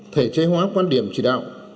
thể chế hóa quan điểm chỉ đạo